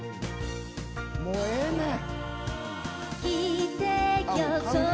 もうええねん！